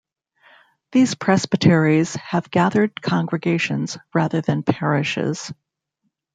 These presbyteries have "gathered congregations" rather than parishes.